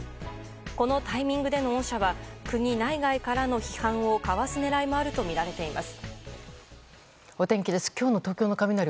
このタイミングでの恩赦は国内外からの批判をかわす狙いがあるとみられています。